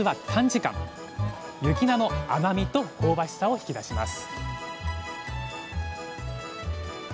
雪菜の甘みと香ばしさを引き出します